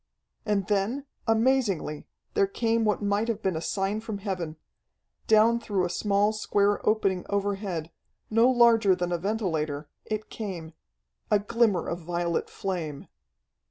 And then, amazingly, there came what might have been a sign from heaven. Down through a small, square opening overhead, no larger than a ventilator, it came ... a glimmer of violet flame!